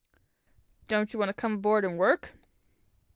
"Don't you want to come aboard and work?"